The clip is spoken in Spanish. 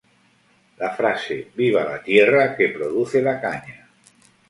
La frase "¡Viva la tierra que produce la caña!